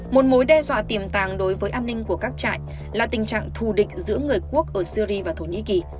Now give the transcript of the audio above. một mối đe dọa tiềm tàng đối với an ninh của các trại là tình trạng thù định giữa người quốc ở syri và thổ nhĩ kỳ